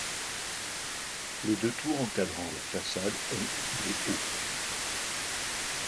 Les deux tours encadrant la façade ont de haut.